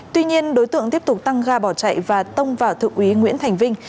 tuy nhiên đối tượng tiếp tục tăng ga bỏ chạy và tông vào thượng úy nguyễn thành vinh